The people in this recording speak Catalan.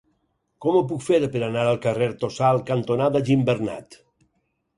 Com ho puc fer per anar al carrer Tossal cantonada Gimbernat?